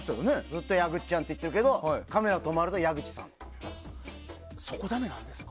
ずっとやぐっちゃんって呼んでるけどカメラ止まると矢口さん。